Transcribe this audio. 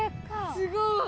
すごい！